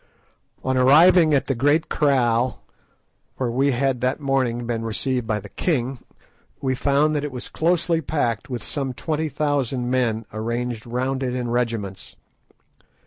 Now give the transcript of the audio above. On arriving at the great kraal, where we had that morning been received by the king, we found that it was closely packed with some twenty thousand men arranged round it in regiments.